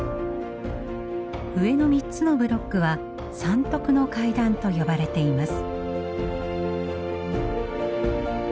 上の３つのブロックは三徳の階段と呼ばれています。